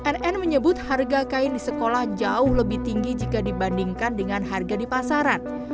nn menyebut harga kain di sekolah jauh lebih tinggi jika dibandingkan dengan harga di pasaran